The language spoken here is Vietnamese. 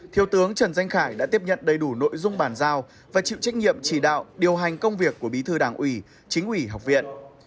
thiếu tướng trần danh khải đã tiếp nhận đầy đủ nội dung bàn giao và chịu trách nhiệm chỉ đạo điều hành công việc của bí thư đảng ủy chính ủy học viện